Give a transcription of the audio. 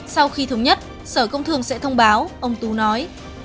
sau khi thống nhất sở công thương sẽ thông báo ông tú nói